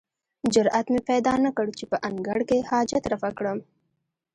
جرئت مې پیدا نه کړ چې په انګړ کې حاجت رفع کړم.